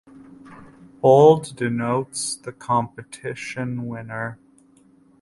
Bold denotes the competition winner.